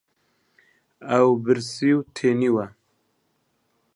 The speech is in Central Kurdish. ئەو برسی و تینووە.